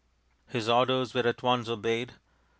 His orders were at once obeyed.